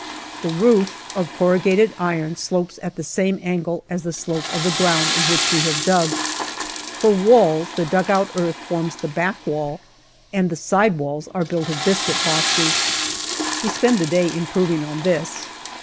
The roof of corrugated iron slopes at the same angle as the slope of the ground in which we have dug. For walls, the dugout earth forms the back wall, and the side walls are built of biscuit boxes. We spend the day im proving on this.